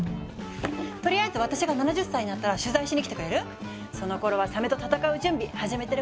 とりあえず私が７０歳になったら取材しに来てくれる？そのころはサメと戦う準備始めてるころだから。